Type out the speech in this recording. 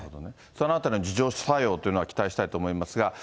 そのあたりの自浄作用を期待したいと思いますが。